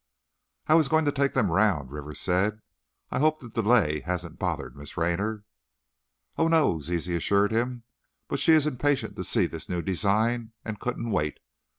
"I was going to take them round," Rivers said; "I hope the delay hasn't bothered Miss Raynor." "Oh, no," Zizi assured him, "but she is impatient to see this new design and couldn't wait.